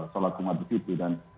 sholat jumat di situ dan